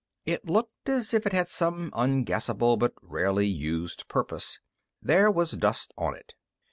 It looked as if it had some unguessable but rarely used purpose. There was dust on it.